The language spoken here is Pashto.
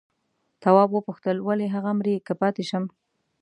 تواب وپوښتل ولې هغه مري که پاتې شم؟